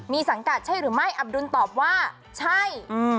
มีสังกัดใช่หรือไม่อับดุลตอบว่าใช่